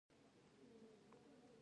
د خوږو زردالو هیواد افغانستان.